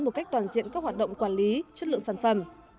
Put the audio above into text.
một cách toàn diện các hoạt động quản lý chất lượng sản phẩm